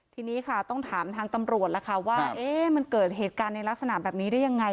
ทีนี้ค่ะต้องถามทางตำรวจล่ะค่ะว่ามันเกิดเหตุการณ์ในลักษณะแบบนี้ได้ยังไง